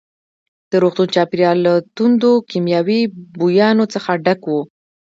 د روغتون چاپېریال له توندو کیمیاوي بویانو څخه ډک وو.